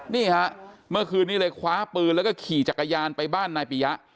นี่ฮะเมื่อคืนนี้เลยคว้าปืนแล้วก็ขี่จักรยานไปบ้านนายปียะ